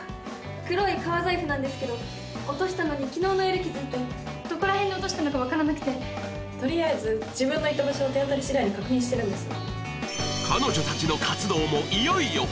黒い革財布なんですけど落としたのにきのうの夜気づいてどこらへんに落としたのかわからなくてとりあえず自分のいた場所を手当たり次第に確認してるんです